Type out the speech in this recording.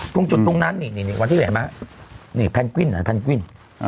ตรงจุดตรงนั้นนี่วันที่ไหนเห็นมั้ยนี่แพลงกวิ้นเหรอแพลงกวิ้น